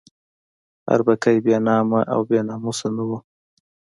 اربکی بې نامه او بې ناموسه نه وو.